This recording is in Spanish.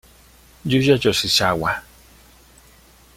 Yuya Yoshizawa